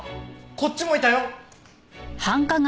こっちもいたよ。